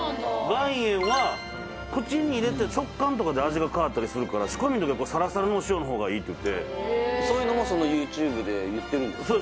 岩塩は口に入れて食感とかで味が変わったりするから仕込みの時はサラサラのお塩の方がいいっていってそういうのもそのＹｏｕＴｕｂｅでいってるんですか？